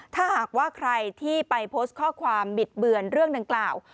ถ้าหากว่าใครที่ไปโพสต์ข้อความบิดเบือนเรื่องดังกล่าว